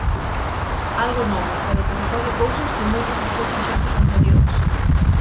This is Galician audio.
Algo novo, pero que recolle cousas de moitos dos teus proxectos anteriores.